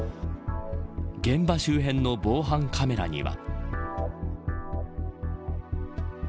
現場周辺の防犯カメラには。